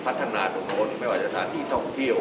ก็ได้การพัฒนาคนไม่ว่าจะสถานีทองเที่ยว